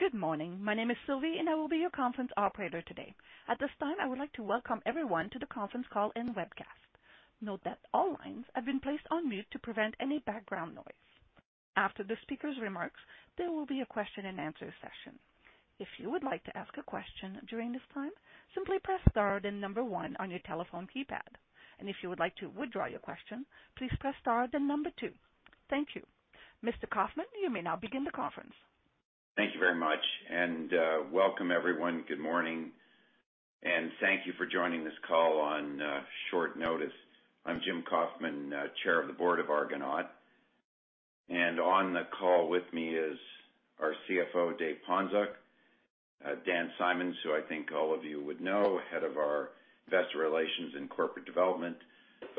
Good morning. My name is Sylvie, and I will be your conference operator today. At this time, I would like to welcome everyone to the conference call and webcast. Note that all lines have been placed on mute to prevent any background noise. After the speaker's remarks, there will be a question and answer session. If you would like to ask a question during this time, simply press star then number one on your telephone keypad. If you would like to withdraw your question, please press star then number two. Thank you. Mr. Kofman, you may now begin the conference. Thank you very much, and welcome everyone. Good morning, thank you for joining this call on short notice. I'm Jim Kofman, Chair of the Board of Argonaut. On the call with me is our CFO, Dave Ponczoch, Dan Symons, who I think all of you would know, Head of our Investor Relations and Corporate Development.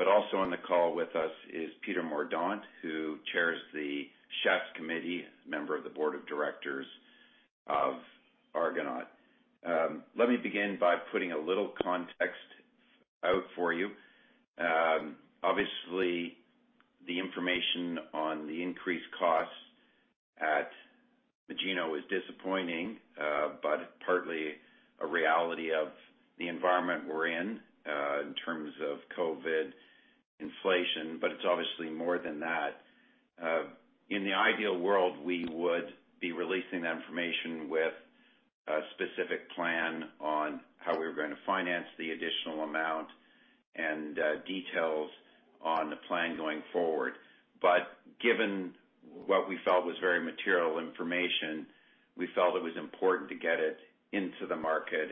Also on the call with us is Peter Mordaunt, who chairs the Special Committee, member of the Board of Directors of Argonaut. Let me begin by putting a little context out for you. Obviously, the information on the increased costs at Magino is disappointing, but partly a reality of the environment we're in terms of COVID inflation, but it's obviously more than that. In the ideal world, we would be releasing that information with a specific plan on how we were gonna finance the additional amount and details on the plan going forward. Given what we felt was very material information, we felt it was important to get it into the market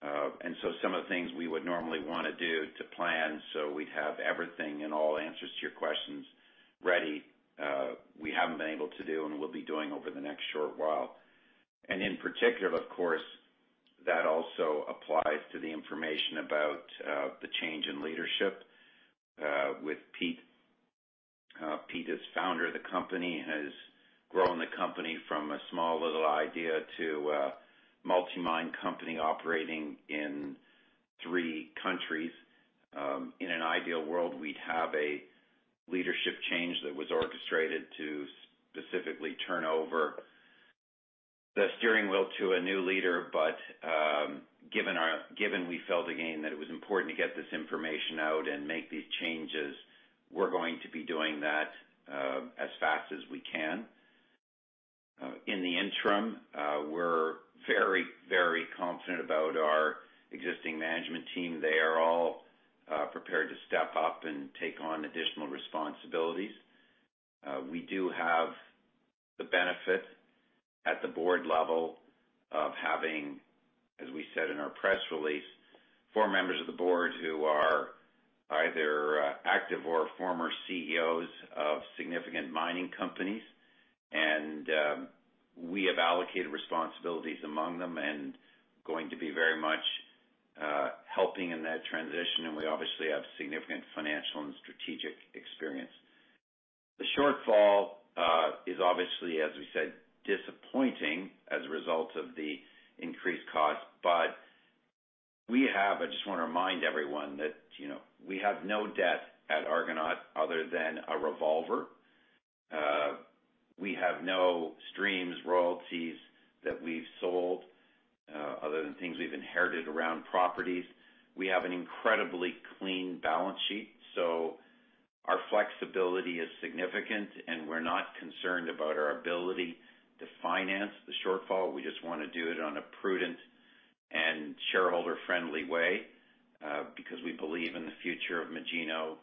and into your hands as soon as possible. Some of the things we would normally wanna do to plan, so we'd have everything and all answers to your questions ready, we haven't been able to do and we'll be doing over the next short while. In particular, of course, that also applies to the information about the change in leadership with Pete. Pete is founder of the company, has grown the company from a small little idea to a multi-mine company operating in three countries. In an ideal world, we'd have a leadership change that was orchestrated to specifically turn over the steering wheel to a new leader. Given we felt, again, that it was important to get this information out and make these changes, we're going to be doing that as fast as we can. In the interim, we're very, very confident about our existing management team. They are all prepared to step up and take on additional responsibilities. We do have the benefit at the board level of having, as we said in our press release, four members of the board who are either active or former CEOs of significant mining companies. We have allocated responsibilities among them and going to be very much helping in that transition, and we obviously have significant financial and strategic experience. The shortfall is obviously, as we said, disappointing as a result of the increased cost. I just wanna remind everyone that, you know, we have no debt at Argonaut other than a revolver. We have no streams, royalties that we've sold, other than things we've inherited around properties. We have an incredibly clean balance sheet, so our flexibility is significant, and we're not concerned about our ability to finance the shortfall. We just wanna do it on a prudent and shareholder-friendly way, because we believe in the future of Magino,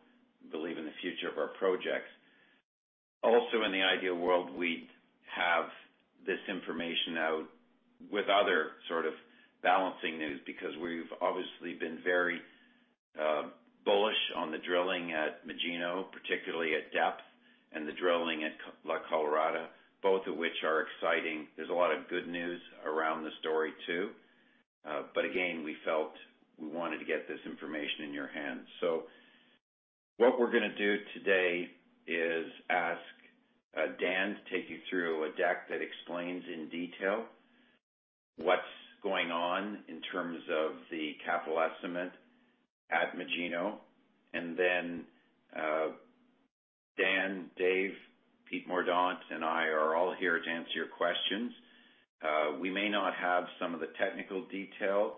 believe in the future of our projects. Also, in the ideal world, we'd have this information out with other sort of balancing news because we've obviously been very bullish on the drilling at Magino, particularly at depth, and the drilling at La Colorada, both of which are exciting. There's a lot of good news around the story, too. Again, we felt we wanted to get this information in your hands. What we're gonna do today is ask Dan to take you through a deck that explains in detail what's going on in terms of the capital estimate at Magino. Dan, Dave, Peter Mordaunt, and I are all here to answer your questions. We may not have some of the technical detail,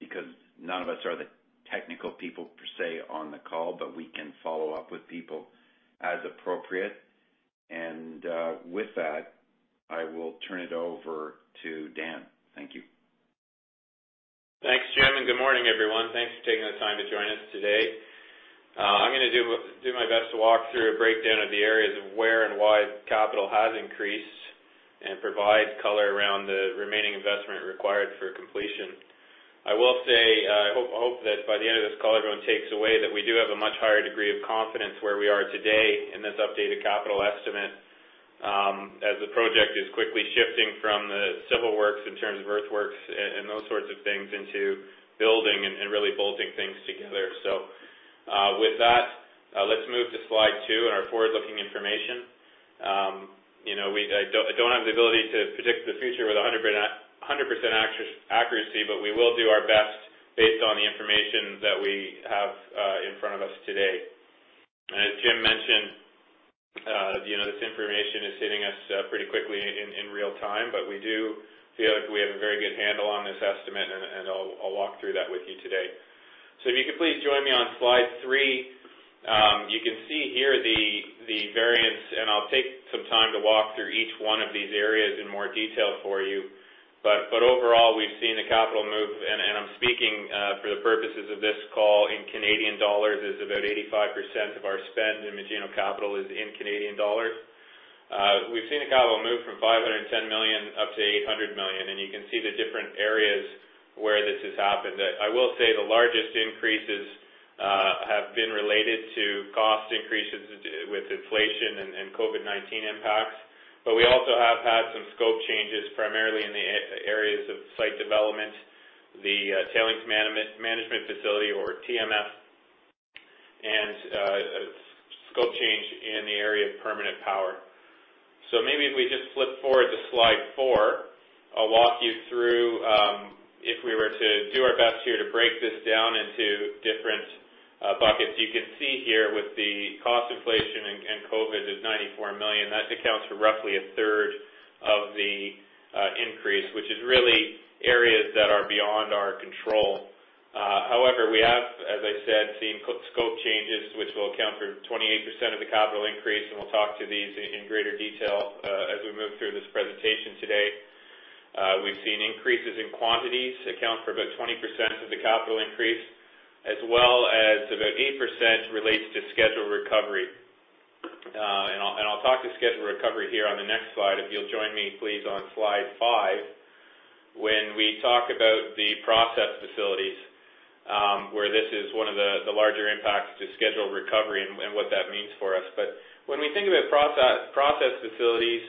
because none of us are the technical people per se on the call, but we can follow up with people as appropriate. With that, I will turn it over to Dan. Thank you. Thanks, Jim, and good morning, everyone. Thanks for taking the time to join us today. I'm gonna do my best to walk through a breakdown of the areas of where and why capital has increased and provide color around the remaining investment required for completion. I will say, I hope that by the end of this call, everyone takes away that we do have a much higher degree of confidence where we are today in this updated capital estimate, as the project is quickly shifting from the civil works in terms of earthworks and those sorts of things into building and really bolting things together. With that, let's move to slide two and our forward-looking information. You know, I don't have the ability to predict the future with 100% accuracy, but we will do our best based on the information that we have in front of us today. As Jim mentioned, you know, this information is hitting us pretty quickly in real time, but we do feel like we have a very good handle on this estimate, and I'll walk through that with you today. If you could please join me on slide three. You can see here the variance, and I'll take some time to walk through each one of these areas in more detail for you. Overall, we've seen the capital move, and I'm speaking for the purposes of this call in Canadian dollars, as about 85% of our spend in Magino capital is in Canadian dollars. We've seen the capital move from 510 million up to 800 million, and you can see the different areas where this has happened. I will say the largest increases have been related to cost increases with inflation and COVID-19 impacts. We also have had some scope changes, primarily in the areas of site development, the tailings management facility or TMF, and scope change in the area of permanent power. Maybe if we just flip forward to slide four, I'll walk you through if we were to do our best here to break this down into different buckets. You can see here with the cost inflation and COVID is 94 million. That accounts for roughly a third of the increase, which is really areas that are beyond our control. However, we have, as I said, seen scope changes which will account for 28% of the capital increase, and we'll talk to these in greater detail as we move through this presentation today. We've seen increases in quantities account for about 20% of the capital increase, as well as about 8% relates to schedule recovery. I'll talk to schedule recovery here on the next slide, if you'll join me, please, on slide five, when we talk about the process facilities, where this is one of the larger impacts to schedule recovery and what that means for us. When we think about process facilities,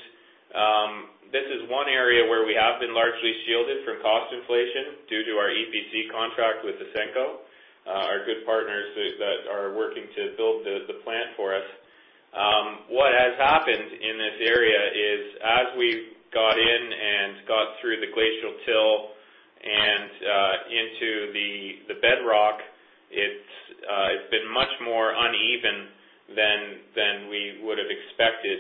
this is one area where we have been largely shielded from cost inflation due to our EPC contract with Ausenco, our good partners that are working to build the plant for us. What has happened in this area is as we've got in and got through the glacial till and into the bedrock, it's been much more uneven than we would have expected.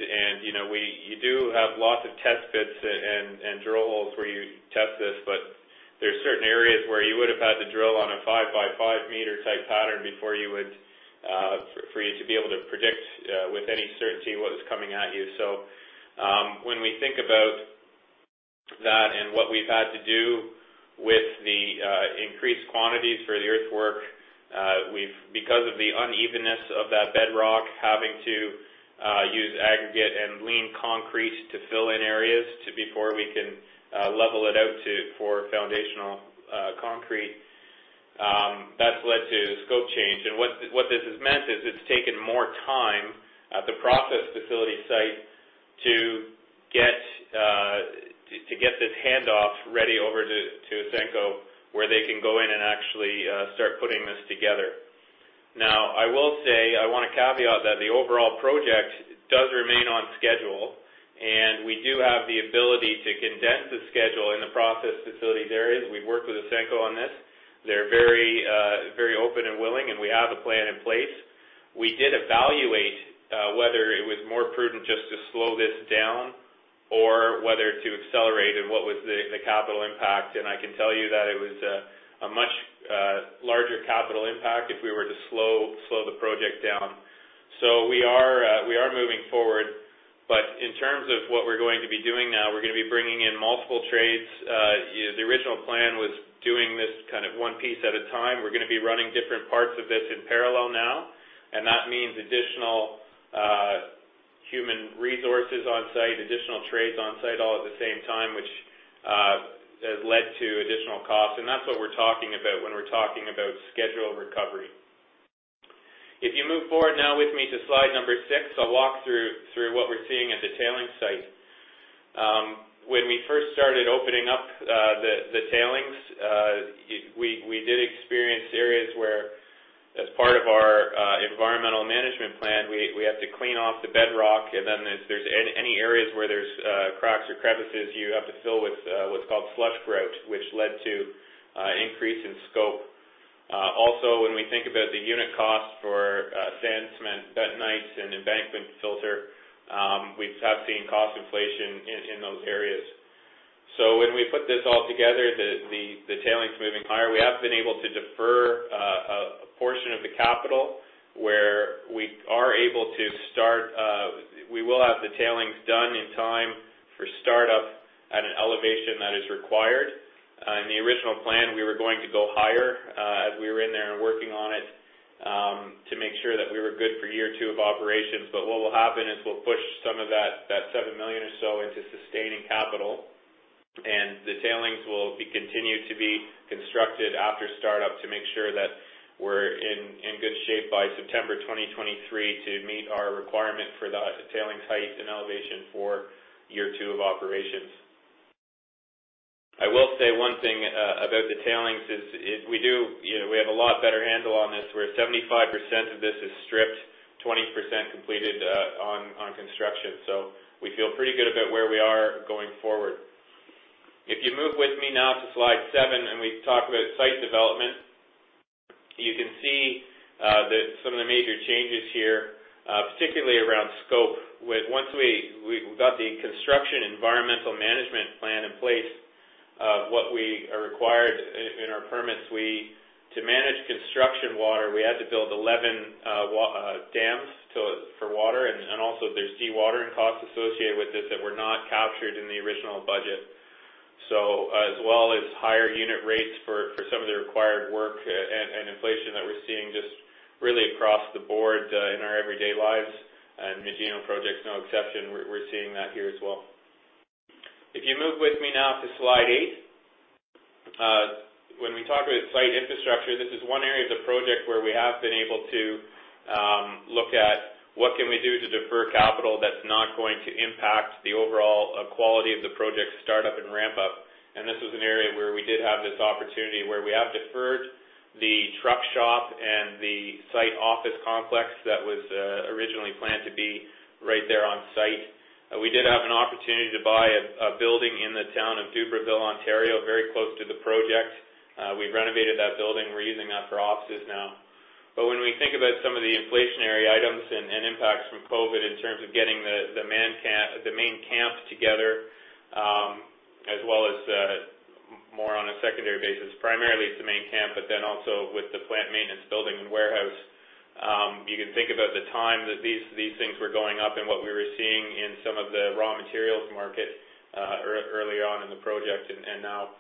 You know, you do have lots of test pits and drill holes where you test this, but there are certain areas where you would have had to drill on a 5-by-5 m type pattern before you would for you to be able to predict with any certainty what was coming at you. When we think about that and what we've had to do with the increased quantities for the earthwork, we've, because of the unevenness of that bedrock, having to use aggregate and lean concrete to fill in areas to before we can level it out to for foundational concrete, that's led to scope change. What this has meant is it's taken more time at the process facility site to get to get this handoff ready over to to Ausenco, where they can go in and actually start putting this together. Now, I will say, I want to caveat that the overall project does remain on schedule, and we do have the ability to condense the schedule in the process facilities areas. We've worked with Ausenco on this. They're very open and willing, and we have a plan in place. We did evaluate whether it was more prudent just to slow this down or whether to accelerate it, what was the capital impact, and I can tell you that it was a much larger capital impact if we were to slow the project down. We are moving forward. In terms of what we're going to be doing now, we're going to be bringing in multiple trades. You know, the original plan was doing this kind of one piece at a time. We're gonna be running different parts of this in parallel now, and that means additional human resources on site, additional trades on site all at the same time, which has led to additional costs. That's what we're talking about when we're talking about schedule recovery. If you move forward now with me to slide number six, I'll walk through what we're seeing at the tailings site. When we first started opening up the tailings, we did experience areas where, as part of our environmental management plan, we have to clean off the bedrock, and then if there's any areas where there's cracks or crevices, you have to fill with what's called flush grout, which led to increase in scope. Also, when we think about the unit cost for sand, cement, bentonite, and embankment filter, we have seen cost inflation in those areas. When we put this all together, the tailings moving higher, we have been able to defer a portion of the capital where we are able to start, we will have the tailings done in time for startup at an elevation that is required. In the original plan, we were going to go higher, as we were in there and working on it, to make sure that we were good for year two of operations. What will happen is we'll push some of that seven million or so into sustaining capital, and the tailings will be continued to be constructed after startup to make sure that we're in good shape by September 2023 to meet our requirement for the tailings height and elevation for year two of operations. I will say one thing about the tailings is we do, you know, we have a lot better handle on this, where 75% of this is stripped, 20% completed on construction. So we feel pretty good about where we are going forward. If you move with me now to slide seven, and we talk about site development. You can see some of the major changes here, particularly around scope with... Once we got the construction environmental management plan in place, what we are required in our permits, we had to build 11 dams so for water and also there's dewatering costs associated with this that were not captured in the original budget. As well as higher unit rates for some of the required work and inflation that we're seeing just really across the board in our everyday lives, and Magino project's no exception. We're seeing that here as well. If you move with me now to slide 8. When we talk about site infrastructure, this is one area of the project where we have been able to look at what can we do to defer capital that's not going to impact the overall quality of the project startup and ramp up. This is an area where we did have this opportunity where we have deferred the truck shop and the site office complex that was originally planned to be right there on site. We did have an opportunity to buy a building in the town of Dubreuilville, Ontario, very close to the project. We've renovated that building. We're using that for offices now. When we think about some of the inflationary items and impacts from COVID in terms of getting the main camp together, as well as more on a secondary basis, primarily it's the main camp, but then also with the plant maintenance building and warehouse, you can think about the time that these things were going up and what we were seeing in some of the raw materials market, earlier on in the project. Now,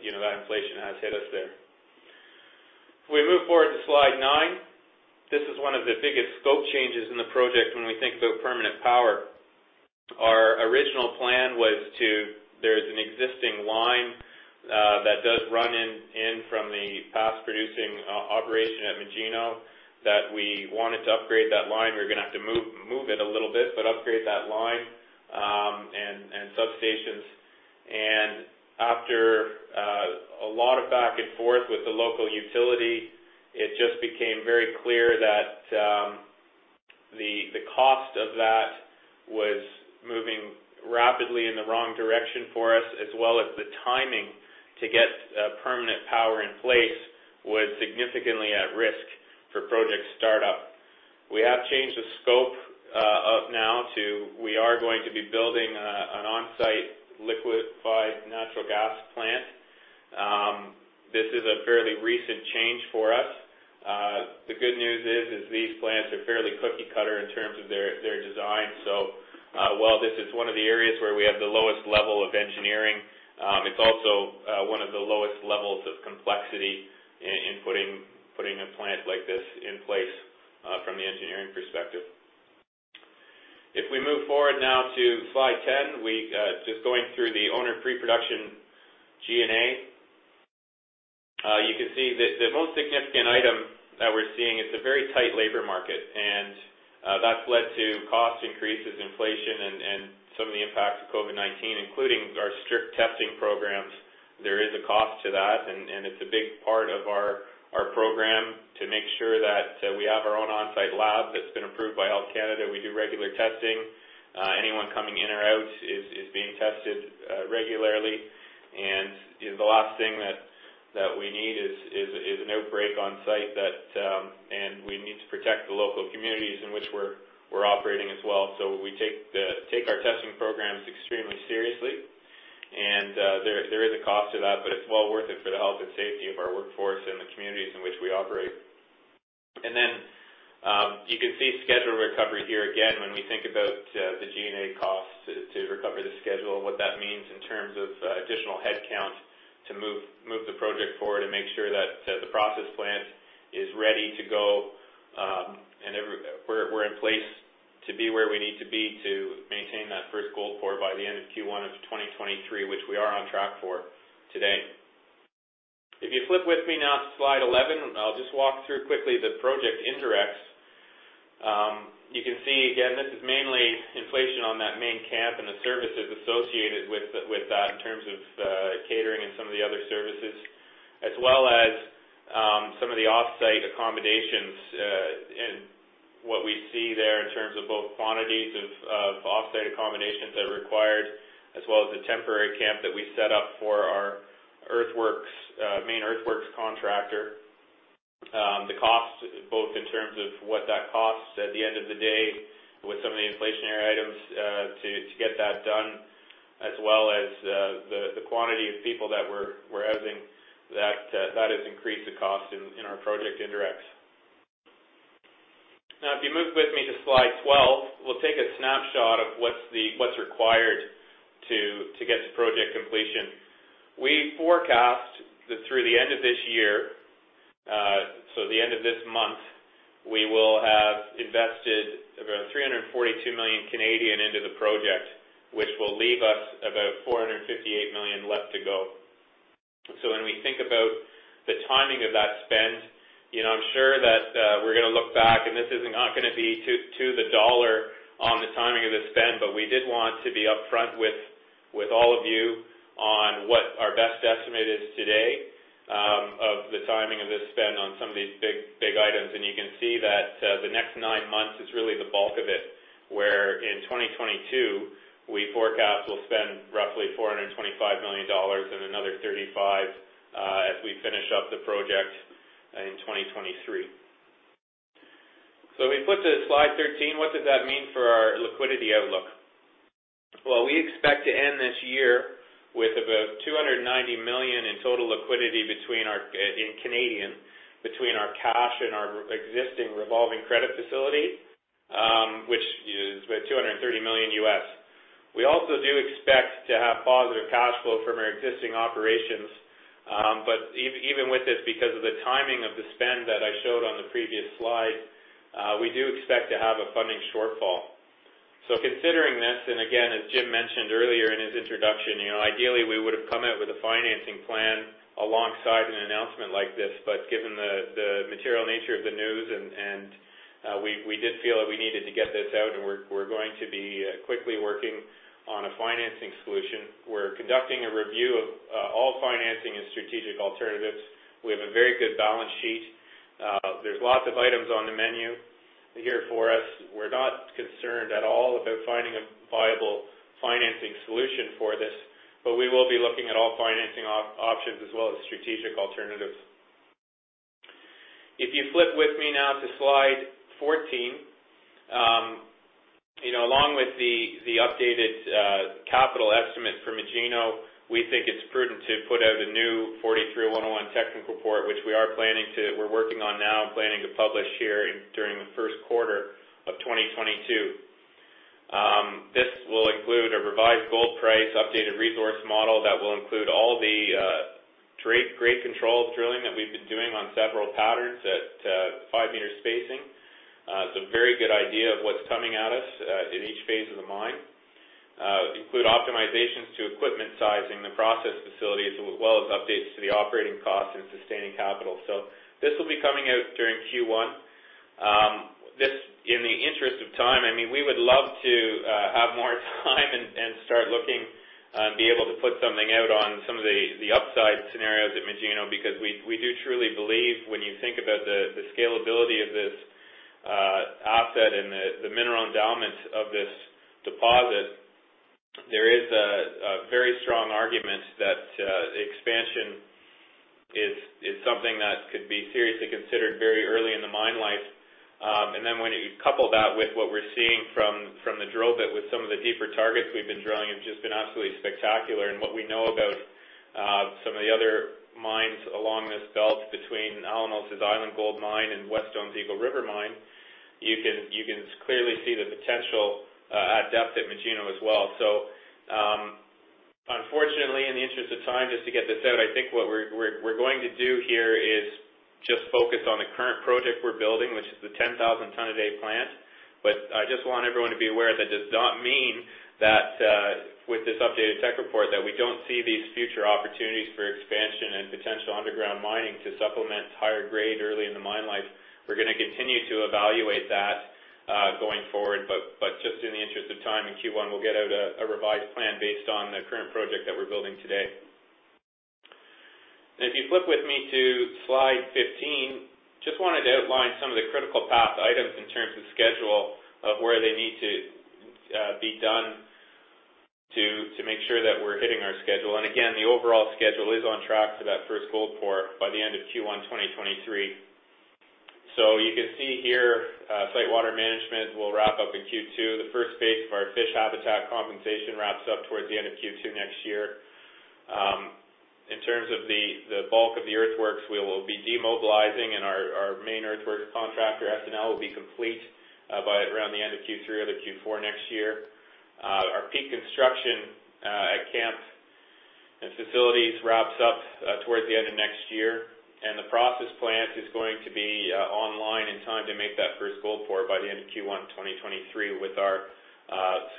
you know, that inflation has hit us there. If we move forward to slide nine, this is one of the biggest scope changes in the project when we think about permanent power. Our original plan was to. There's an existing line that does run in from the past producing operation at Magino that we wanted to upgrade that line. We're gonna have to move it a little bit, but upgrade that line and substations. After a lot of back and forth with the local utility, it just became very clear that the cost of that was moving rapidly in the wrong direction for us, as well as the timing to get permanent power in place was significantly at risk for project startup. We have changed the scope now to we are going to be building an on-site liquefied natural gas plant. This is a fairly recent change for us. The good news is these plants are fairly cookie cutter in terms of their design. While this is one of the areas where we have the lowest level of engineering, it's also one of the lowest levels of complexity in putting a plant like this in place from the engineering perspective. If we move forward now to slide 10, we're just going through the owner pre-production G&A. You can see the most significant item that we're seeing, it's a very tight labor market, and that's led to cost increases, inflation and some of the impacts of COVID-19, including our strict testing programs. There is a cost to that, and it's a big part of our program to make sure that we have our own on-site lab that's been approved by Health Canada. We do regular testing. Anyone coming in or out is being tested regularly. You know, the last thing that we need is an outbreak on site, and we need to protect the local communities in which we're operating as well. We take our testing programs extremely seriously. There is a cost to that, but it's well worth it for the health and safety of our workforce and the communities in which we operate. You can see schedule recovery here again, when we think about the G&A costs to recover the schedule and what that means in terms of additional headcount to move the project forward and make sure that the process plant is ready to go, and every... We're in place to be where we need to be to maintain that first gold pour by the end of Q1 of 2023, which we are on track for today. If you flip with me now to slide 11, I'll just walk through quickly the project indirects. You can see again, this is mainly inflation on that main camp and the services associated with that in terms of catering and some of the other services, as well as some of the off-site accommodations. What we see there in terms of both quantities of off-site accommodations that are required, as well as the temporary camp that we set up for our earthworks main earthworks contractor. The cost, both in terms of what that costs at the end of the day with some of the inflationary items, to get that done, as well as the quantity of people that we're housing, that has increased the cost in our project indirects. Now, if you move with me to slide 12, we'll take a snapshot of what's required to get to project completion. We forecast that through the end of this year, so the end of this month, we will have invested about 342 million into the project, which will leave us about 458 million left to go. When we think about the timing of that spend, you know, I'm sure that we're gonna look back, and this is not gonna be to the dollar on the timing of the spend, but we did want to be upfront with all of you on what our best estimate is today of the timing of this spend on some of these big, big items. You can see that the next nine months is really the bulk of it, where in 2022, we forecast we'll spend roughly $425 million and another $35 million as we finish up the project in 2023. We flip to slide 13. What does that mean for our liquidity outlook? Well, we expect to end this year with about 290 million in total liquidity between our cash in Canadian dollars and our existing revolving credit facility, which is about $230 million U.S. We also do expect to have positive cash flow from our existing operations, but even with this, because of the timing of the spend that I showed on the previous slide, we do expect to have a funding shortfall. Considering this, and again, as Jim mentioned earlier in his introduction, you know, ideally, we would have come out with a financing plan alongside an announcement like this, but given the material nature of the news and we did feel that we needed to get this out, and we're going to be quickly working on a financing solution. We're conducting a review of all financing and strategic alternatives. We have a very good balance sheet. There's lots of items on the menu here for us. We're not concerned at all about finding a viable financing solution for this, but we will be looking at all financing options as well as strategic alternatives. If you flip with me now to slide 14, you know, along with the updated capital estimate for Magino, we think it's prudent to put out a new NI 43-101 technical report, which we're working on now and planning to publish here during the first quarter of 2022. This will include a revised gold price, updated resource model that will include all the grade control drilling that we've been doing on several patterns at 5 m spacing. It's a very good idea of what's coming at us in each phase of the mine. Include optimizations to equipment sizing, the process facilities, as well as updates to the operating costs and sustaining capital. This will be coming out during Q1. In the interest of time, I mean, we would love to have more time and start looking and be able to put something out on some of the upside scenarios at Magino because we do truly believe when you think about the scalability of this asset and the mineral endowment of this deposit, there is a very strong argument that expansion is something that could be seriously considered very early in the mine life. When you couple that with what we're seeing from the drill bit with some of the deeper targets we've been drilling have just been absolutely spectacular. What we know about some of the other mines along this belt between Alamos Gold's Island Gold Mine and Wesdome's Eagle River Mine, you can clearly see the potential at depth at Magino as well. Unfortunately, in the interest of time, just to get this out, I think what we're going to do here is just focus on the current project we're building, which is the 10,000-ton-a-day plant. I just want everyone to be aware that does not mean that with this updated tech report, that we don't see these future opportunities for expansion and potential underground mining to supplement higher grade early in the mine life. We're gonna continue to evaluate that, going forward, but just in the interest of time, in Q1, we'll get out a revised plan based on the current project that we're building today. If you flip with me to slide 15, just wanted to outline some of the critical path items in terms of schedule of where they need to be done to make sure that we're hitting our schedule. Again, the overall schedule is on track for that first gold pour by the end of Q1 2023. You can see here, site water management will wrap up in Q2. The first phase of our fish habitat compensation wraps up towards the end of Q2 next year. In terms of the bulk of the earthworks, we will be demobilizing, and our main earthworks contractor, SNL, will be complete by around the end of Q3 or the Q4 next year. Our peak construction at camp and facilities wraps up towards the end of next year, and the process plant is going to be online in time to make that first gold pour by the end of Q1 2023 with our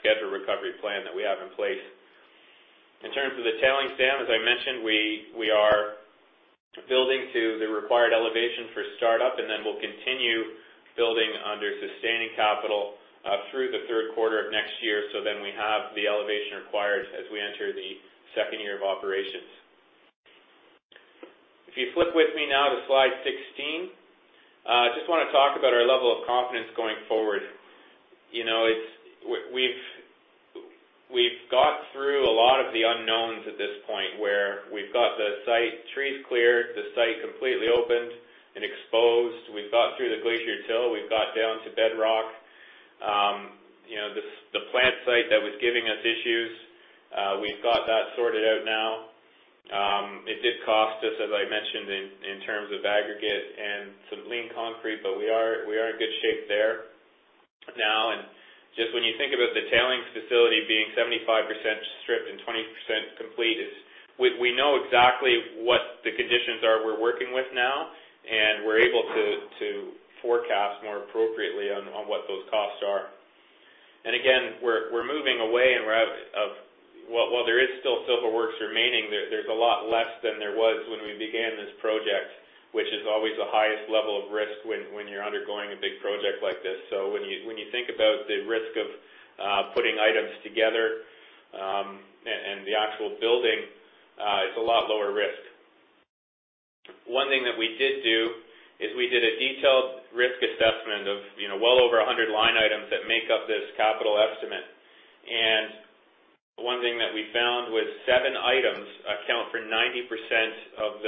scheduled recovery plan that we have in place. In terms of the tailings dam, as I mentioned, we are building to the required elevation for startup, and then we'll continue building under sustaining capital through the third quarter of next year so then we have the elevation required as we enter the second year of operations. If you flip with me now to slide 16, just wanna talk about our level of confidence going forward. You know, it's, we've got through a lot of the unknowns at this point where we've got the site trees cleared, the site completely opened and exposed. We've got through the glacial till. We've got down to bedrock. You know, the plant site that was giving us issues, we've got that sorted out now. It did cost us, as I mentioned, in terms of aggregate and some lean concrete, but we are in good shape there now. Just when you think about the tailings facility being 75% stripped and 20% complete, we know exactly what the conditions are we're working with now, and we're able to forecast more appropriately on what those costs are. Again, we're moving away and we're out of. Well, while there is still civil works remaining, there's a lot less than there was when we began this project, which is always the highest level of risk when you're undergoing a big project like this. When you think about the risk of putting items together and the actual building, it's a lot lower risk. One thing that we did do is we did a detailed risk assessment of well over a hundred line items that make up this capital estimate. One thing that we found was seven items account for 90% of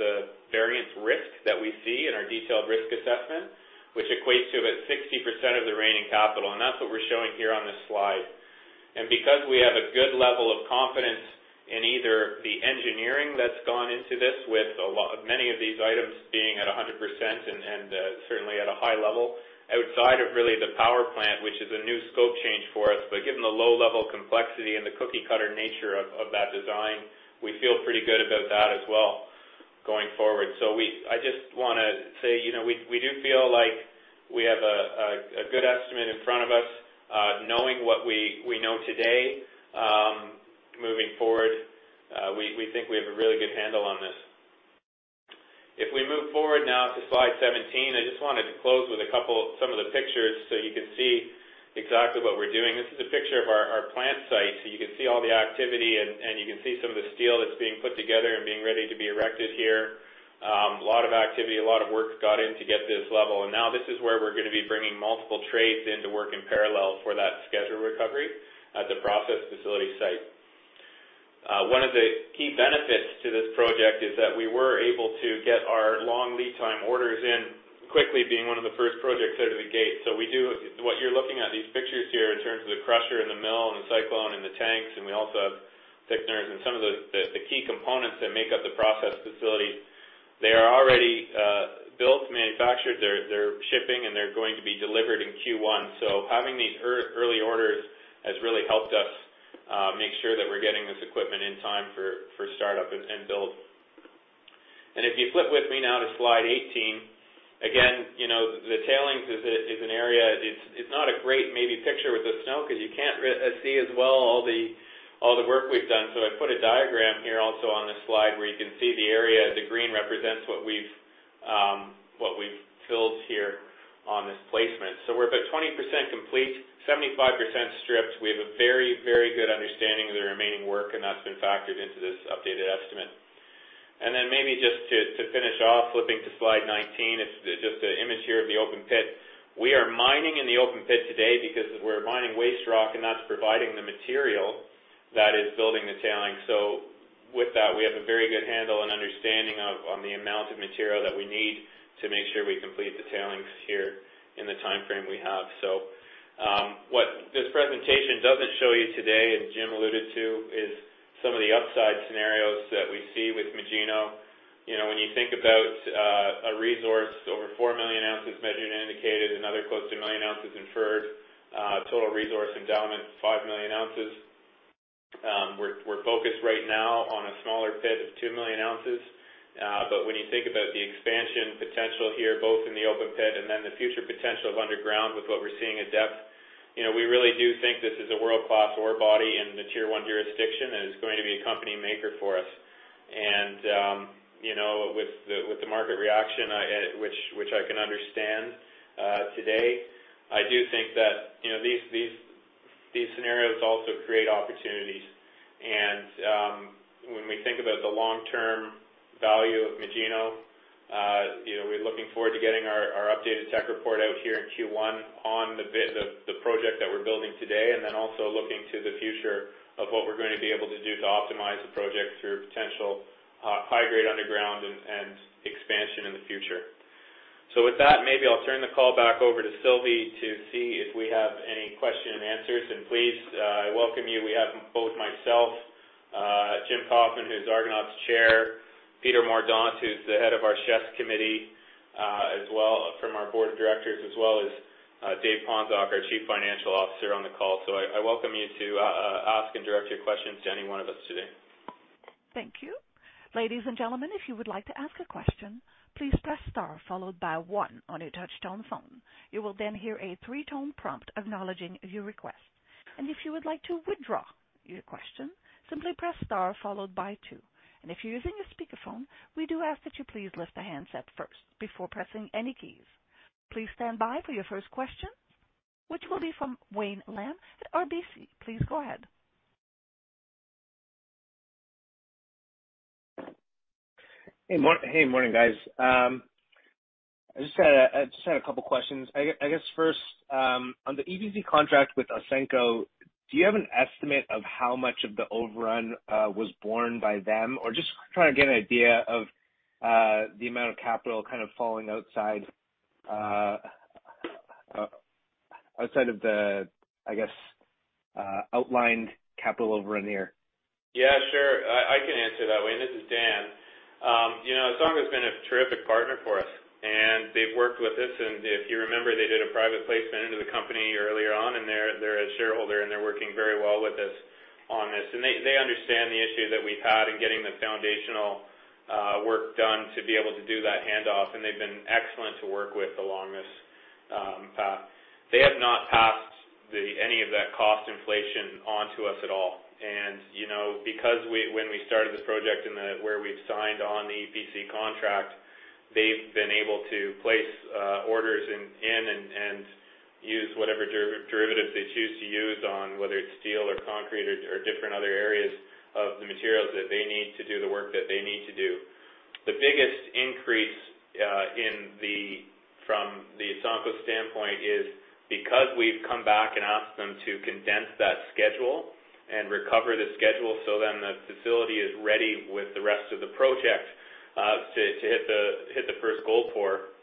the variance risk that we see in our detailed risk assessment, which equates to about 60% of the remaining capital. That's what we're showing here on this slide. Because we have a good level of confidence in either the engineering that's gone into this with a lot, many of these items being at 100% and certainly at a high level outside of really the power plant, which is a new scope change for us, but given the low level complexity and the cookie cutter nature of that design, we feel pretty good about that as well going forward. I just wanna say, you know, we do feel like we have a good estimate in front of us, knowing what we know today, moving forward, we think we have a really good handle on this. If we move forward now to slide 17, I just wanted to close with a couple, some of the pictures so you can see exactly what we're doing. This is a picture of our plant site, so you can see all the activity and you can see some of the steel that's being put together and being ready to be erected here. A lot of activity, a lot of work got in to get this level. Now this is where we're gonna be bringing multiple trades in to work in parallel for that schedule recovery at the process facility site. One of the key benefits to this project is that we were able to get our long lead time orders in quickly, being one of the first projects out of the gate. What you're looking at, these pictures here in terms of the crusher and the mill and the cyclone and the tanks, and we also have thickeners and some of the key components that make up the process facility, they are already built, manufactured, they're shipping, and they're going to be delivered in Q1. Having these early orders has really helped us make sure that we're getting this equipment in time for startup and build. If you flip with me now to slide 18, again, you know, the tailings is an area... It's not a great maybe picture with the snow 'cause you can't see as well all the work we've done. I put a diagram here also on this slide where you can see the area. The green represents what we've filled here on this placement. We're about 20% complete, 75% stripped. We have a very good understanding of the remaining work, and that's been factored into this updated estimate. Then maybe just to finish off, flipping to slide 19, it's just the image here of the open pit. We are mining in the open pit today because we're mining waste rock, and that's providing the material that is building the tailings. With that, we have a very good handle and understanding of on the amount of material that we need to make sure we complete the tailings here in the timeframe we have. What this presentation doesn't show you today, as Jim alluded to, is some of the upside scenarios that we see with Magino. When you think about a resource over 4 million oz measured and indicated, another close to 1 million oz inferred, total resource endowment, 5 million oz, we're focused right now on a smaller pit of 2 million oz. When you think about the expansion potential here, both in the open pit and then the future potential of underground with what we're seeing at depth, you know, we really do think this is a world-class ore body in the Tier 1 Jurisdiction, and it's going to be a company maker for us. You know, with the market reaction, which I can understand today, I do think that, you know, these scenarios also create opportunities. When we think about the long-term value of Magino, you know, we're looking forward to getting our updated tech report out here in Q1 on the project that we're building today, and then also looking to the future of what we're gonna be able to do to optimize the project through potential high grade underground and expansion in the future. With that, maybe I'll turn the call back over to Sylvie to see if we have any question and answers. Please, I welcome you. We have both myself, Jim Kofman, who's Argonaut's Chair, Peter Mordaunt, who's the head of our special committee, as well as from our board of directors, as well as Dave Ponczoch, our chief financial officer on the call. I welcome you to ask and direct your questions to any one of us today. Thank you. Ladies and gentlemen, if you would like to ask a question, please press star followed by one on your touchtone phone. You will then hear a three-tone prompt acknowledging your request. If you would like to withdraw your question, simply press star followed by two. If you're using a speakerphone, we do ask that you please lift the handset first before pressing any keys. Please stand by for your first question, which will be from Wayne Lam at RBC. Please go ahead. Hey, morning, guys. I just had a couple questions. I guess first, on the EPC contract with Ausenco, do you have an estimate of how much of the overrun was borne by them? Or just trying to get an idea of the amount of capital kind of falling outside of the, I guess, outlined capital over in here. Yeah, sure. I can answer that, Wayne. This is Dan. You know, Ausenco's been a terrific partner for us, and they've worked with us. If you remember, they did a private placement into the company earlier on, and they're a shareholder, and they're working very well with us on this. They understand the issue that we've had in getting the foundational work done to be able to do that handoff, and they've been excellent to work with along this path. They have not passed any of that cost inflation onto us at all. You know, because when we started this project where we've signed on the EPC contract, they've been able to place orders in and use whatever derivatives they choose to use on whether it's steel or concrete or different other areas of the materials that they need to do the work that they need to do. The biggest increase in the From the Ausenco's standpoint is because we've come back and asked them to condense that schedule and recover the schedule so then the facility is ready with the rest of the project, to hit the first gold pour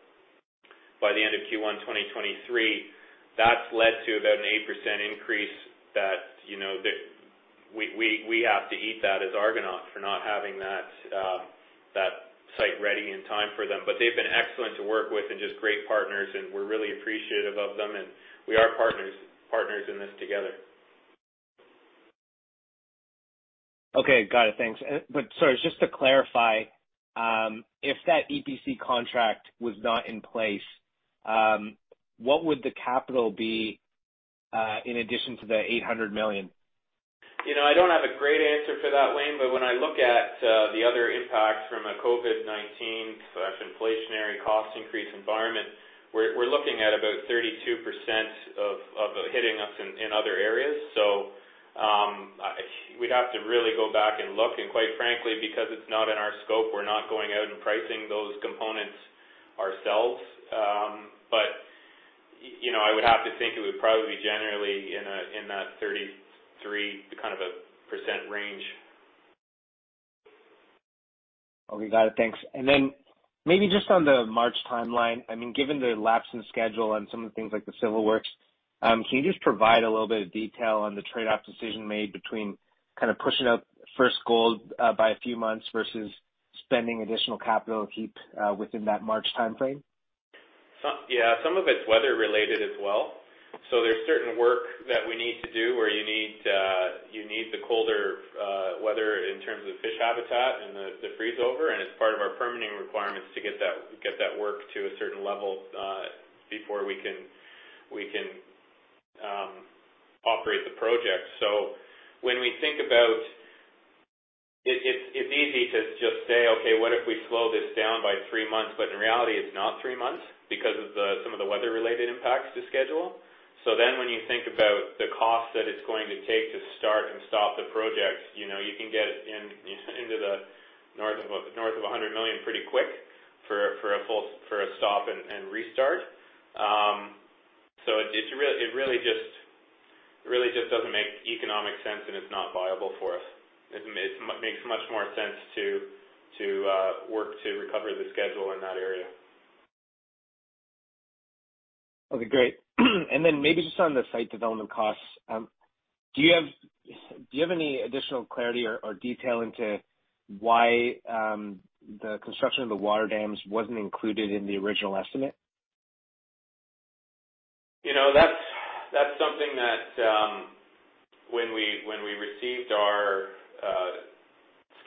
by the end of Q1 2023. That's led to about an 8% increase that, you know, we have to eat that as Argonaut for not having that site ready in time for them. But they've been excellent to work with and just great partners, and we're really appreciative of them, and we are partners in this together. Okay. Got it. Thanks. Sorry, just to clarify, if that EPC contract was not in place, what would the capital be in addition to the $800 million? You know, I don't have a great answer for that, Wayne, but when I look at the other impacts from a COVID-19 and inflationary cost increase environment, we're looking at about 32% of hitting us in other areas. We'd have to really go back and look. Quite frankly, because it's not in our scope, we're not going out and pricing those components ourselves. But you know, I would have to think it would probably be generally in that 33% kind of a range. Okay. Got it. Thanks. Maybe just on the March timeline, I mean, given the lapse in schedule on some of the things like the civil works, can you just provide a little bit of detail on the trade-off decision made between kind of pushing up first gold by a few months versus spending additional capital to keep within that March timeframe? Yeah, some of it's weather related as well. There's certain work that we need to do where you need the colder weather in terms of fish habitat and the freeze over, and it's part of our permitting requirements to get that work to a certain level before we can operate the project. When we think about it's easy to just say, "Okay, what if we slow this down by three months?" But in reality, it's not three months because of some of the weather related impacts to schedule. When you think about the cost that it's going to take to start and stop the projects, you can get into the north of a hundred-million pretty quick for a full stop and restart. It really just doesn't make economic sense, and it's not viable for us. It makes much more sense to work to recover the schedule in that area. Okay, great. Maybe just on the site development costs, do you have any additional clarity or detail into why the construction of the water dams wasn't included in the original estimate? You know, that's something that when we received our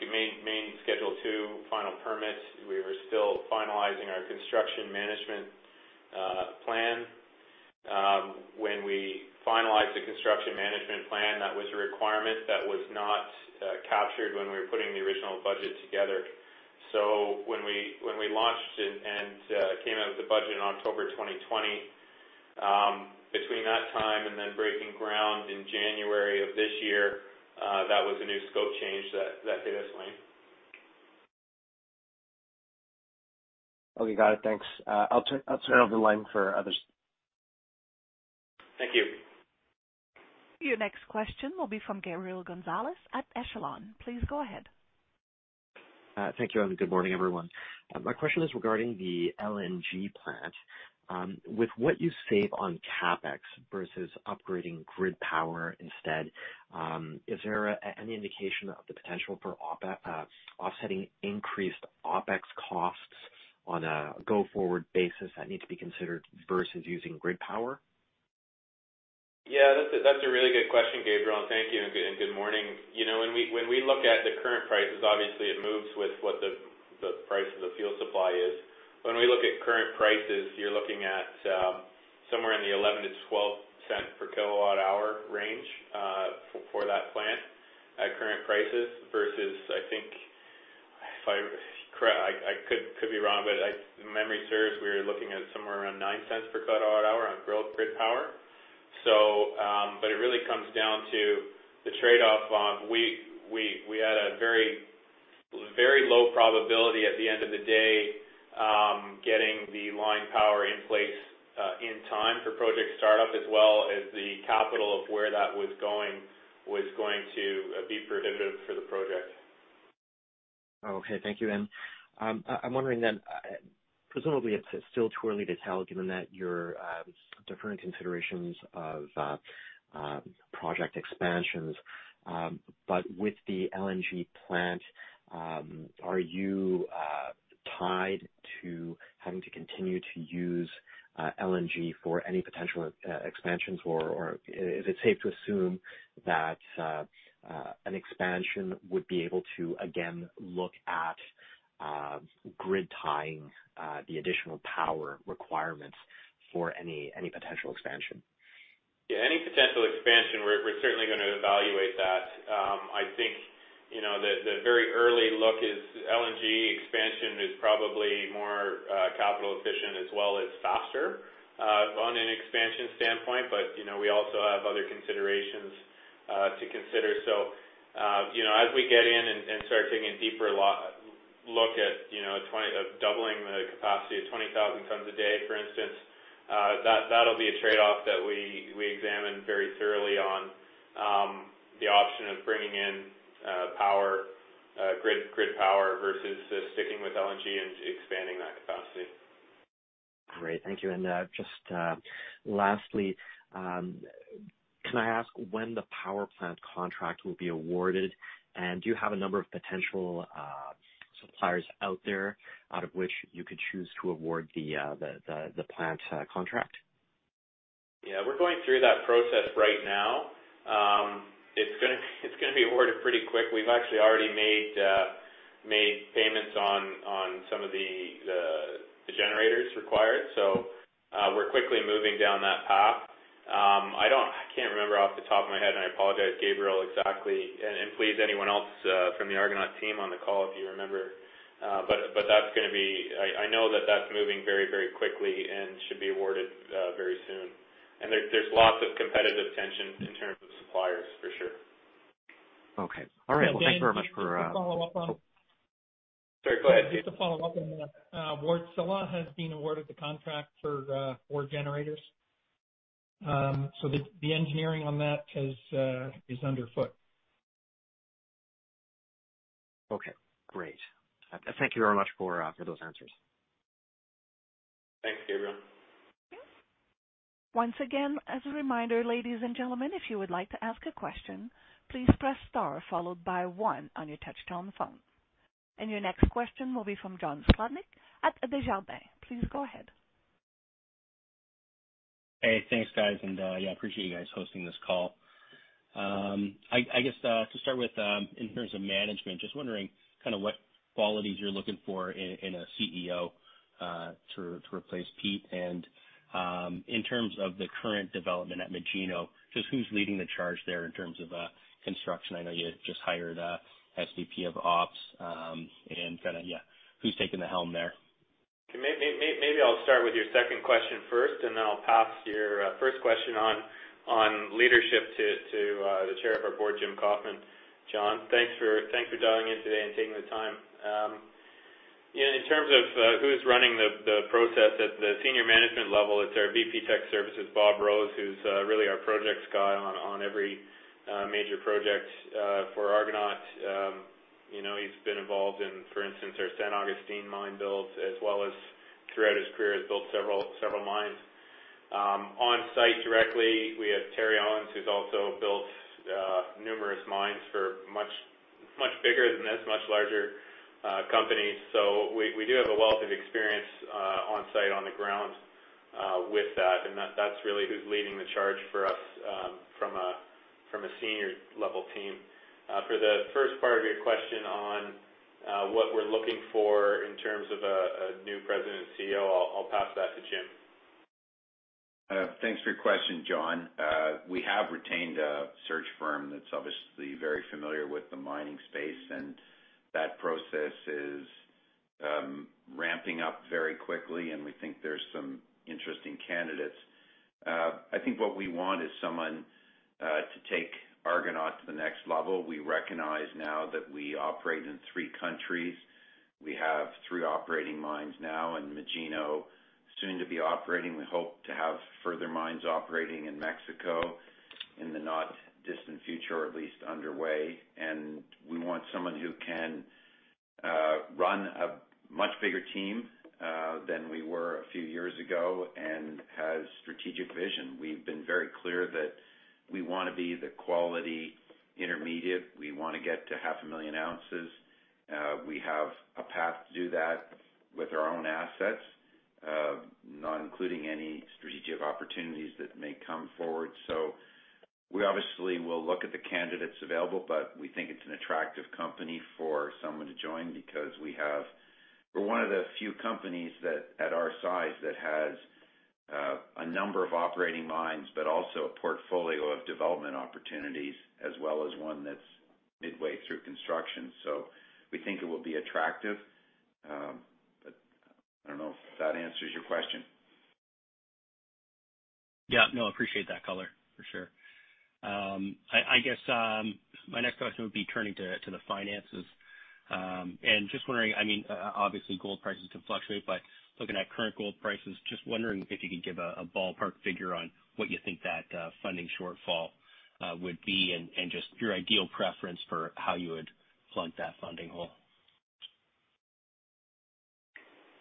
main schedule two final permits, we were still finalizing our construction management plan. When we finalized the construction management plan, that was a requirement that was not captured when we were putting the original budget together. When we launched it and came out with the budget in October 2020, between that time and then breaking ground in January of this year, that was a new scope change that did swing. Okay. Got it. Thanks. I'll turn over the line for others. Thank you. Your next question will be from Gabriel Gonzalez at Echelon. Please go ahead. Thank you, and good morning, everyone. My question is regarding the LNG plant. With what you save on CapEx versus upgrading grid power instead, is there any indication of the potential for offsetting increased OpEx costs on a go-forward basis that need to be considered versus using grid power? Yeah, that's a really good question, Gabriel. Thank you and good morning. You know, when we look at the current prices, obviously it moves with what the price of the fuel supply is. When we look at current prices, you're looking at somewhere in the 0.11-0.12 per kWh range for that plant at current prices versus, I think I could be wrong, but if memory serves, we're looking at somewhere around 0.09 per kWh on grid power. It really comes down to the trade-off on we had a very, very low probability at the end of the day getting the line power in place in time for project startup, as well as the capital of where that was going to be prohibitive for the project. Okay. Thank you. I'm wondering, presumably it's still too early to tell given that your different considerations of project expansions. With the LNG plant, are you tied to having to continue to use LNG for any potential expansions or is it safe to assume that an expansion would be able to again look at grid tying the additional power requirements for any potential expansion? Yeah, any potential expansion, we're certainly gonna evaluate that. I think, you know, the very early look is LNG expansion is probably more capital efficient as well as faster on an expansion standpoint. You know, we also have other considerations to consider. You know, as we get in and start taking a deeper look at, you know, doubling the capacity of 20,000 tons a day, for instance, that'll be a trade-off that we examine very thoroughly on the option of bringing in power grid power versus sticking with LNG and expanding that capacity. Great. Thank you. Just lastly, can I ask when the power plant contract will be awarded? Do you have a number of potential suppliers out there out of which you could choose to award the plant contract? Yeah, we're going through that process right now. It's gonna be awarded pretty quick. We've actually already made payments on some of the generators required. We're quickly moving down that path. I can't remember off the top of my head, and I apologize, Gabriel, exactly. Please, anyone else from the Argonaut team on the call, if you remember. That's gonna be. I know that that's moving very quickly and should be awarded very soon. There's lots of competitive tension in terms of suppliers for sure. Okay. All right. Well, thank you very much for Can I just follow up on Sorry, go ahead. Just to follow up on the award. SEL has been awarded the contract for four generators. The engineering on that is underfoot. Okay, great. Thank you very much for those answers. Thanks, Gabriel. Once again, as a reminder, ladies and gentlemen, if you would like to ask a question, please press star followed by one on your touchtone phone. Your next question will be from John Sclodnick at Desjardins. Please go ahead. Hey, thanks, guys. Yeah, I appreciate you guys hosting this call. I guess to start with, in terms of management, just wondering kind of what qualities you're looking for in a CEO to replace Pete. In terms of the current development at Magino, just who's leading the charge there in terms of construction? I know you just hired a SVP of ops, and kinda, yeah, who's taking the helm there? Maybe I'll start with your second question first, and then I'll pass your first question on leadership to the chair of our board, Jim Kofman. John, thanks for dialing in today and taking the time. Yeah, in terms of who's running the process at the senior management level, it's our VP Technical Services, Bob Rose, who's really our projects guy on every major project for Argonaut. You know, he's been involved in, for instance, our San Agustin mine build, as well as throughout his career, has built several mines. On-site directly, we have Terry Owens, who's also built numerous mines for much bigger than this, much larger companies. So we do have a wealth of experience on site, on the ground with that. That's really who's leading the charge for us, from a senior level team. For the first part of your question on what we're looking for in terms of a new President and CEO, I'll pass that to Jim. Thanks for your question, John. We have retained a search firm that's obviously very familiar with the mining space, and that process is ramping up very quickly, and we think there's some interesting candidates. I think what we want is someone to take Argonaut to the next level. We recognize now that we operate in three countries. We have three operating mines now, and Magino soon to be operating. We hope to have further mines operating in Mexico in the not distant future or at least underway. We want someone who can run a much bigger team than we were a few years ago and has strategic vision. We've been very clear that we wanna be the quality intermediate. We wanna get to half a million ounces. We have a path to do that with our own assets, not including any strategic opportunities that may come forward. We obviously will look at the candidates available, but we think it's an attractive company for someone to join because we have. We're one of the few companies that, at our size, has a number of operating mines, but also a portfolio of development opportunities, as well as one that's midway through construction. We think it will be attractive. I don't know if that answers your question. Yeah, no, I appreciate that color for sure. I guess my next question would be turning to the finances. Just wondering, I mean, obviously gold prices can fluctuate, but looking at current gold prices, just wondering if you could give a ballpark figure on what you think that funding shortfall would be and just your ideal preference for how you would plug that funding hole.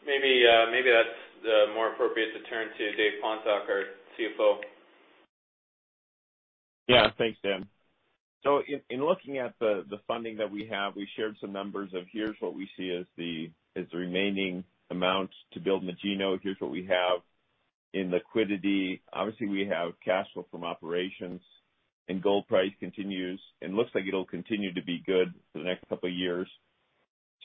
Maybe that's more appropriate to turn to Dave Ponczoch, our CFO. Yeah. Thanks, Dan. In looking at the funding that we have, we shared some numbers of here's what we see as the remaining amount to build Magino. Here's what we have in liquidity. Obviously, we have cash flow from operations, and gold price continues and looks like it'll continue to be good for the next couple of years.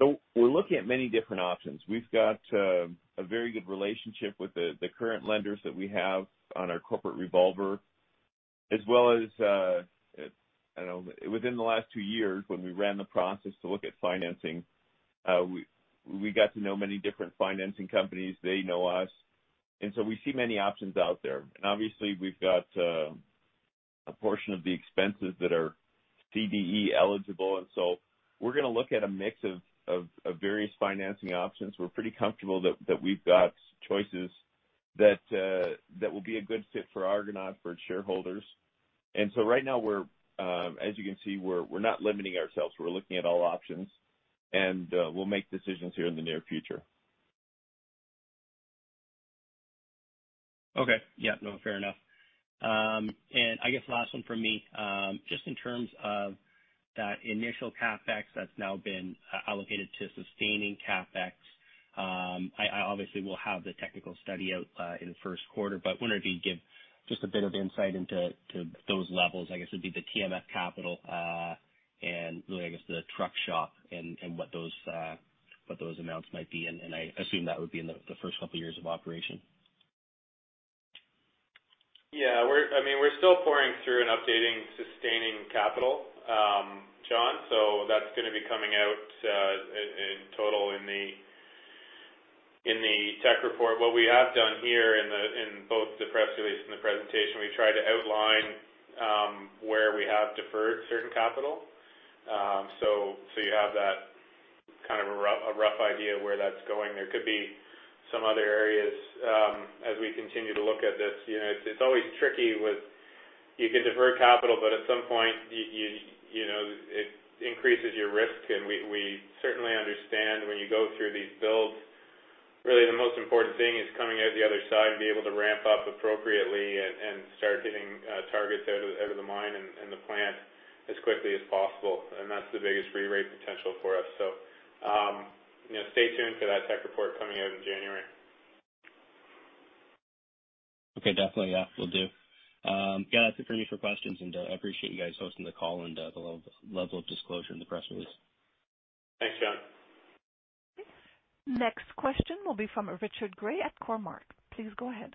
We're looking at many different options. We've got a very good relationship with the current lenders that we have on our corporate revolver. As well as, I know within the last two years, when we ran the process to look at financing, we got to know many different financing companies. They know us. We see many options out there. Obviously, we've got a portion of the expenses that are CDE eligible, and so we're gonna look at a mix of various financing options. We're pretty comfortable that we've got choices that will be a good fit for Argonaut, for its shareholders. Right now, as you can see, we're not limiting ourselves. We're looking at all options. We'll make decisions here in the near future. Okay. Yeah. No, fair enough. And I guess last one from me, just in terms of that initial CapEx that's now been allocated to sustaining CapEx, I obviously will have the technical study out in the first quarter, but I wonder if you'd give just a bit of insight into those levels, I guess, it'd be the TMF capital, and really, I guess, the truck shop and what those amounts might be. I assume that would be in the first couple of years of operation. Yeah. I mean, we're still pouring through and updating sustaining capital, John. That's gonna be coming out in total in the tech report. What we have done here in the press release and the presentation, we tried to outline where we have deferred certain capital. So you have that kind of a rough idea where that's going. There could be some other areas as we continue to look at this. You know, it's always tricky with you can defer capital, but at some point, you know, it increases your risk. We certainly understand when you go through these builds, really the most important thing is coming out the other side and be able to ramp up appropriately and start getting targets out of the mine and the plant as quickly as possible. That's the biggest free rate potential for us. You know, stay tuned for that tech report coming out in January. Okay. Definitely. Yeah, will do. Yeah, that's it for me for questions, and I appreciate you guys hosting the call and the level of disclosure in the press release. Thanks, John. Next question will be from Richard Gray at Cormark. Please go ahead.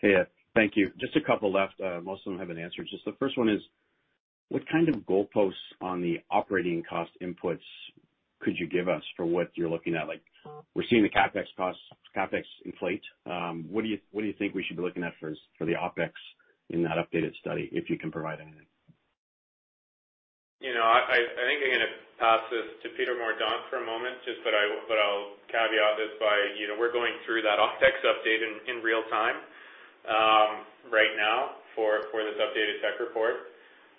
Hey. Thank you. Just a couple left, most of them have been answered. Just the first one is, what kind of goalposts on the operating cost inputs could you give us for what you're looking at? Like, we're seeing the CapEx costs, CapEx inflate. What do you think we should be looking at for the OpEx in that updated study, if you can provide any? You know, I think I'm gonna pass this to Peter Mordaunt for a moment, but I'll caveat this by, you know, we're going through that OpEx update in real time right now for this updated tech report.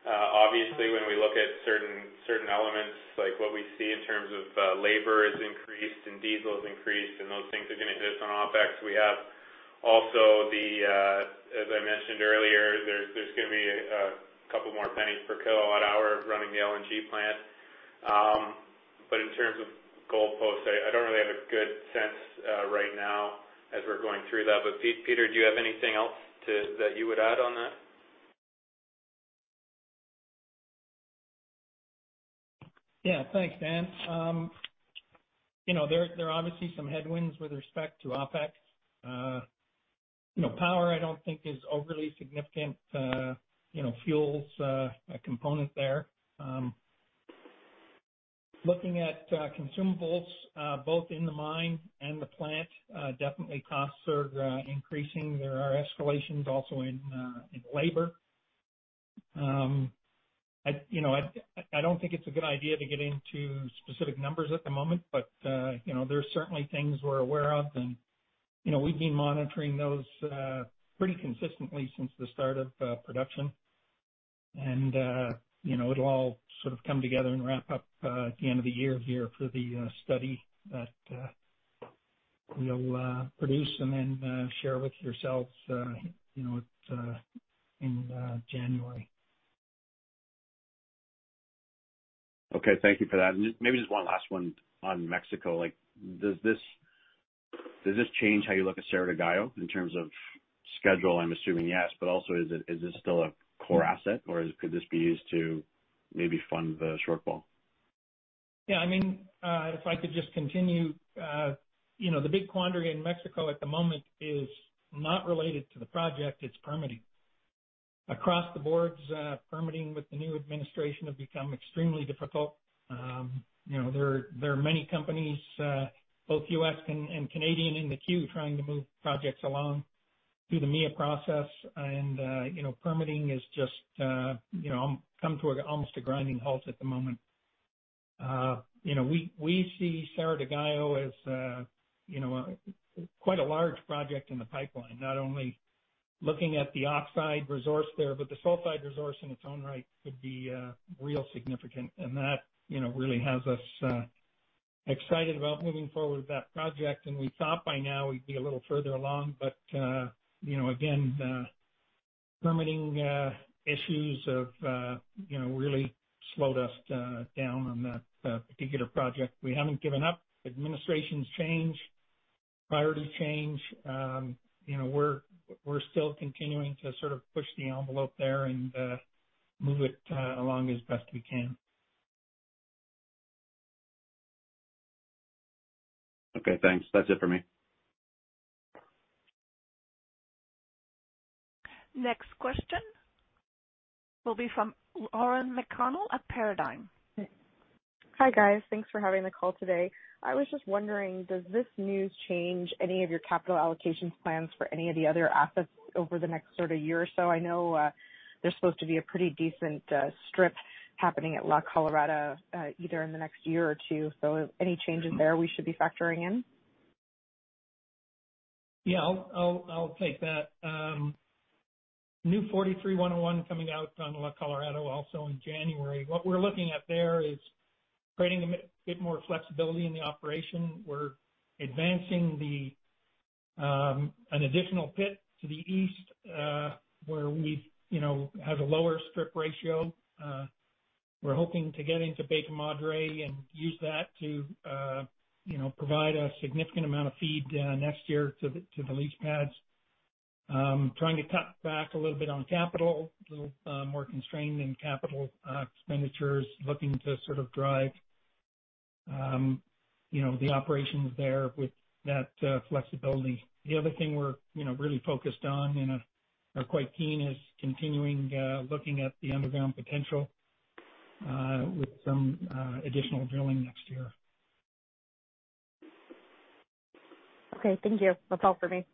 Obviously, when we look at certain elements, like what we see in terms of labor is increased and diesel is increased, and those things are gonna hit us on OpEx. We also have, as I mentioned earlier, there's gonna be a couple more pennies per kilowatt hour running the LNG plant. In terms of goalposts, I don't really have a good sense right now as we're going through that. Peter, do you have anything else that you would add on that? Yeah. Thanks, Dan. You know, there are obviously some headwinds with respect to OpEx. You know, power, I don't think is overly significant, you know, fuels, a component there. Looking at consumables, both in the mine and the plant, definitely costs are increasing. There are escalations also in labor. You know, I don't think it's a good idea to get into specific numbers at the moment, but you know, there are certainly things we're aware of. You know, we've been monitoring those pretty consistently since the start of production. You know, it'll all sort of come together and wrap up at the end of the year here for the study that we'll produce and then share with yourselves, you know, it in January. Okay. Thank you for that. Maybe just one last one on Mexico. Like, does this change how you look at Cerro de Gallo in terms of schedule? I'm assuming yes, but also, is this still a core asset, or could this be used to maybe fund the shortfall? Yeah. I mean, if I could just continue, you know, the big quandary in Mexico at the moment is not related to the project, it's permitting. Across the boards, permitting with the new administration have become extremely difficult. You know, there are many companies, both U.S. and Canadian in the queue trying to move projects along through the MIA process. You know, permitting is just, you know, come to almost a grinding halt at the moment. You know, we see Cerro de Gallo as, you know, quite a large project in the pipeline, not only looking at the oxide resource there, but the sulfide resource in its own right could be real significant. That, you know, really has us excited about moving forward with that project. We thought by now we'd be a little further along, but, you know, again, the permitting issues have, you know, really slowed us down on that particular project. We haven't given up. Administrations change, priorities change. You know, we're still continuing to sort of push the envelope there and move it along as best we can. Okay, thanks. That's it for me. Next question will be from Lauren McConnell of Paradigm. Hi, guys. Thanks for having the call today. I was just wondering, does this news change any of your capital allocation plans for any of the other assets over the next sort of year or so? I know, there's supposed to be a pretty decent strip happening at La Colorada, either in the next year or two. Any changes there we should be factoring in? Yeah, I'll take that. New NI 43-101 coming out on La Colorada also in January. What we're looking at there is creating a bit more flexibility in the operation. We're advancing an additional pit to the east, where we, you know, have a lower strip ratio. We're hoping to get into Veta Madre and use that to, you know, provide a significant amount of feed next year to the leach pads. Trying to cut back a little bit on capital, a little more constrained in capital expenditures, looking to sort of drive, you know, the operations there with that flexibility. The other thing we're, you know, really focused on and are quite keen is continuing looking at the underground potential with some additional drilling next year. Okay, thank you. That's all for me.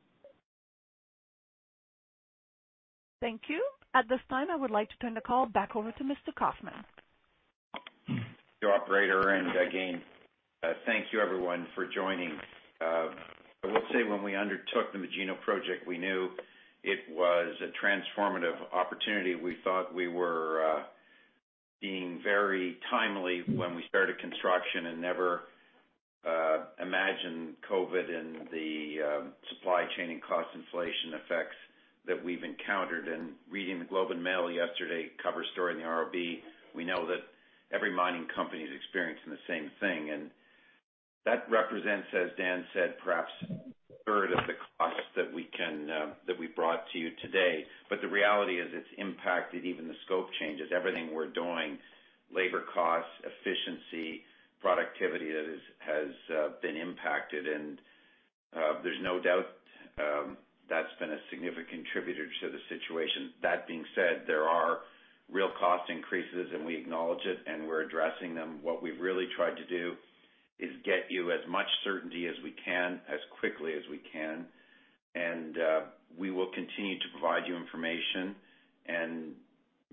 Thank you. At this time, I would like to turn the call back over to Mr. Kofman. Thank you, operator. Again, thank you everyone for joining. I will say when we undertook the Magino project, we knew it was a transformative opportunity. We thought we were being very timely when we started construction and never imagined COVID and the supply chain and cost inflation effects that we've encountered. Reading The Globe and Mail yesterday, cover story in the ROB, we know that every mining company is experiencing the same thing. That represents, as Dan said, perhaps a third of the cost that we brought to you today. The reality is it's impacted even the scope changes. Everything we're doing, labor costs, efficiency, productivity has been impacted. There's no doubt that's been a significant contributor to the situation. That being said, there are real cost increases, and we acknowledge it, and we're addressing them. What we've really tried to do is get you as much certainty as we can, as quickly as we can. We will continue to provide you information and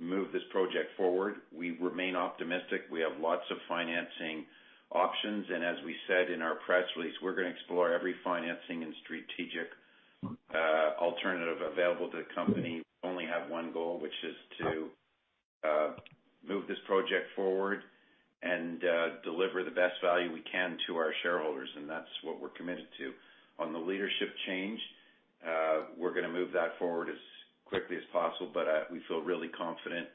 move this project forward. We remain optimistic. We have lots of financing options. As we said in our press release, we're gonna explore every financing and strategic alternative available to the company. We only have one goal, which is to move this project forward and deliver the best value we can to our shareholders, and that's what we're committed to. On the leadership change, we're gonna move that forward as quickly as possible. We feel really confident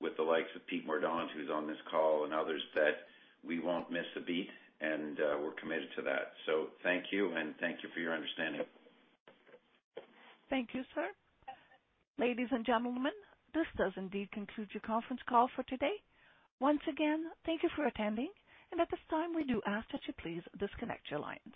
with the likes of Peter Mordaunt, who's on this call, and others, that we won't miss a beat, and we're committed to that. Thank you, and thank you for your understanding. Thank you, sir. Ladies and gentlemen, this does indeed conclude your conference call for today. Once again, thank you for attending. At this time, we do ask that you please disconnect your lines.